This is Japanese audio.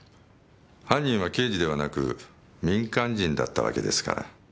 犯人は刑事ではなく民間人だった訳ですから。